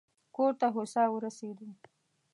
کور ته هوسا ورسېدو.